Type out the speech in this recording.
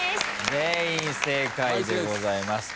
全員正解でございます。